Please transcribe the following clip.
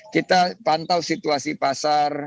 kita pantau situasi pasar